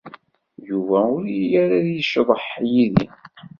Yuba ur iri ara ad yecḍeḥ yid-i.